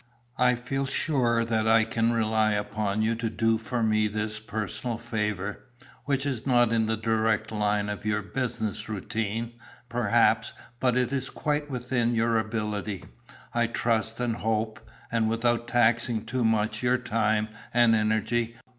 I feel sure that I can rely upon you to do for me this personal favour, which is not in the direct line of your business routine, perhaps, but is quite within your ability, I trust and hope; and without taxing too much your time and energy.